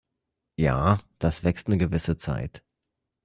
Ja, das wächst 'ne gewisse Zeit.